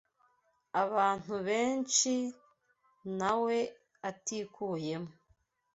abantu benshi na we atikuyemo